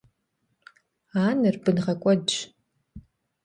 Анэр бын гъэкӀуэдщ.